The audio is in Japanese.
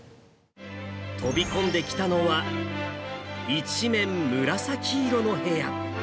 飛び込んできたのは、一面紫色の部屋。